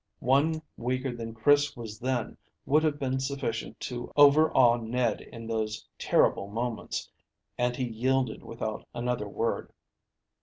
One weaker than Chris was then would have been sufficient to overawe Ned in those terrible moments, and he yielded without another word.